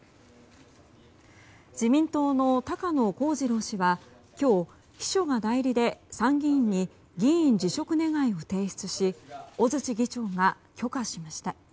自民党の高野光二郎氏は今日、秘書が代理で参議院に議員辞職願を提出し尾辻議長が許可しました。